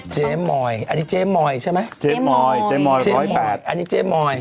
เจมส์มอยอันนี้เจมส์มอยใช่ไหมเจมส์มอย๑๐๘อันนี้เจมส์มอย